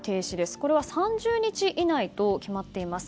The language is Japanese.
これは３０日以内と決まっています。